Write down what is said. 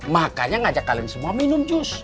makanya ngajak kalian semua minum jus